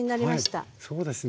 はいそうですね。